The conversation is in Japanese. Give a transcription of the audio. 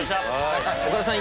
岡田さん